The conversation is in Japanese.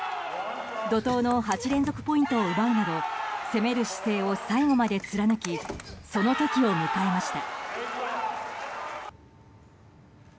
怒涛の８連続ポイントを奪うなど攻める姿勢を最後まで貫きその時を迎えました。